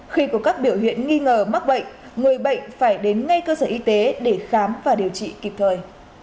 khi có các biểu hiện nghi ngờ mắc bệnh người bệnh phải đến ngay cơ sở y tế để khám và điều trị kịp thời